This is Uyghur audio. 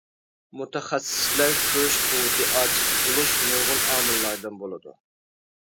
مۇتەخەسسىسلەر كۆرۈش قۇۋۋىتى ئاجىز بولۇش نۇرغۇن ئامىللاردىن بولىدۇ.